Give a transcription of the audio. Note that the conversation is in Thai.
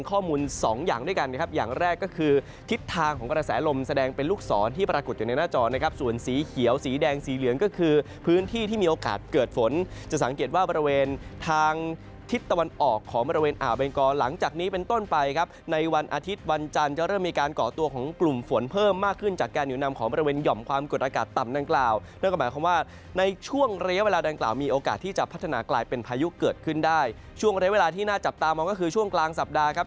ข้อมูลสองอย่างด้วยกันนะครับอย่างแรกก็คือทิศทางของกระแสลมแสดงเป็นลูกศรที่ปรากฏอยู่ในหน้าจอนะครับส่วนสีเขียวสีแดงสีเหลืองก็คือพื้นที่ที่มีโอกาสเกิดฝนจะสังเกตว่าบริเวณทางทิศตะวันออกของบริเวณอาเบงกอลหลังจากนี้เป็นต้นไปครับในวันอาทิตย์วันจันทร์จะเริ่มมีการก่